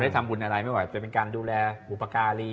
ถ้าเราได้ทำบุญอะไรเป็นการดูแลบุปการี